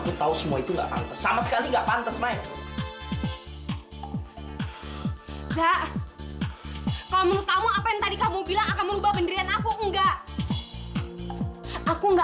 kamu yang tes sendiri dan kamu lihat hasilnya sendiri kayak apa kan